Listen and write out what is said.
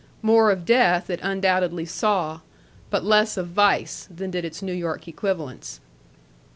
More of death it undoubtedly saw, but less of vice, than did its New York equivalents.